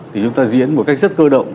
thì chúng ta diễn một cách rất cơ động